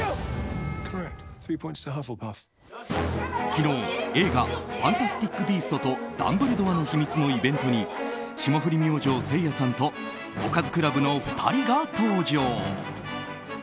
昨日、映画「ファンタスティック・ビーストとダンブルドアの秘密」のイベントに霜降り明星・せいやさんとおかずクラブの２人が登場。